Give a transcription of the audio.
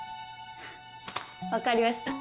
わかりました！